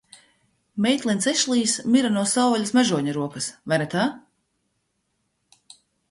Meitlends Ešlijs mira no savvaļas mežoņa rokas, vai ne tā?